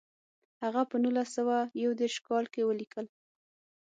هغه په نولس سوه یو دېرش کال کې ولیکل.